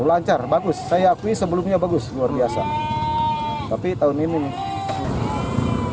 lancar bagus saya akui sebelumnya bagus luar biasa tapi tahun ini nih